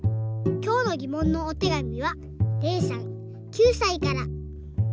きょうのぎもんのおてがみはれいさん９さいから。